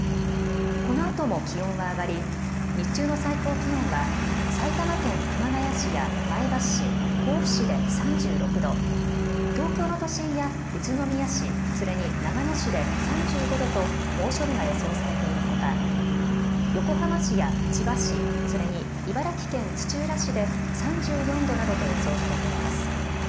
このあとも気温は上がり日中の最高気温は埼玉県熊谷市や前橋市、甲府市で３６度、東京の都心や宇都宮市、それに長野市で３５度と猛暑日が予想されているほか、横浜市や千葉市、それに茨城県土浦市で３４度などと予想されています。